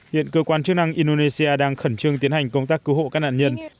hiện cơ quan chức năng indonesia đang khẩn trương tiến hành công tác cứu hộ các nạn nhân